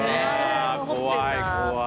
怖い怖い。